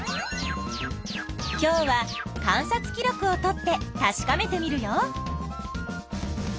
今日は観察記録をとってたしかめてみるよ。